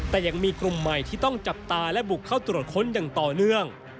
แต่ยังมีกลุ่มใหม่ที่ต้องจับตาและบุกเข้าตรวจค้นอย่างต่อเนื่อง